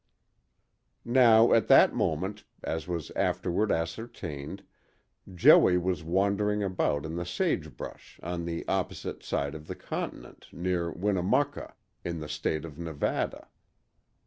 Now, at that moment, as was afterward ascertained, Joey was wandering about in the sage brush on the opposite side of the continent, near Winnemucca, in the State of Nevada.